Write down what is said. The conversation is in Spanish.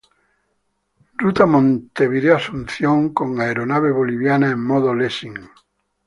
Ruta Montevideo Asunción con aeronave boliviana en modo Lessing.